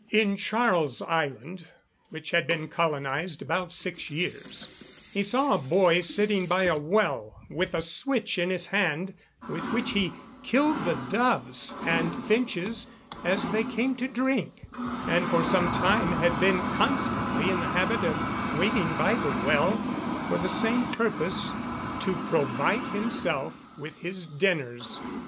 In Charles Island, which had been colonised about six years, he saw a boy sitting by a well with a switch in his hand, with which he killed the doves and finches as they came to drink; and for some time had been constantly in the habit of waiting by the well for the same purpose, to provide himself with his dinners.